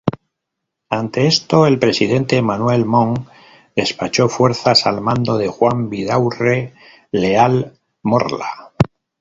Ante esto, el presidente Manuel Montt despachó fuerzas al mando de Juan Vidaurre-Leal Morla.